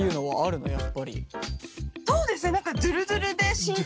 そうですね。